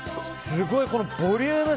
すごいボリューム。